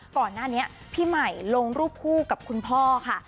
ก่อนหน้านี้พี่ใหม่ลงรูปคู่กับคุณพ่อค่ะ